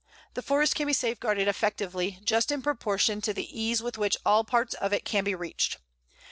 The forest can be safeguarded effectively just in proportion to the ease with which all parts of it can be reached.